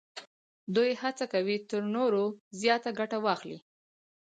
دوی هڅه کوي تر نورو زیاته ګټه واخلي